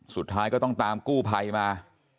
สุดท้ายก็ต้องตามกู้ภัยมา